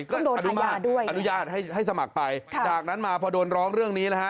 ก็โดนอนุญาตให้สมัครไปจากนั้นมาพอโดนร้องเรื่องนี้นะฮะ